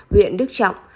huyện đức trọng